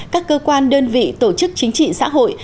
các cơ quan đơn vị tổ chức chính trị xã hội